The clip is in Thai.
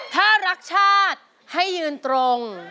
ถ้ารักชาติให้ยืนตรง